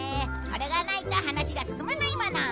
これがないと話が進まないもの